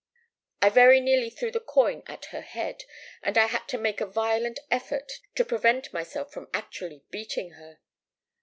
"I very nearly threw the coin at her head, and I had to make a violent effort to prevent myself from actually beating her.